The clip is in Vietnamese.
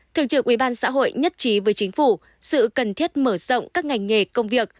thường trực ubnd nhất trí với chính phủ sự cần thiết mở rộng các ngành nghề công việc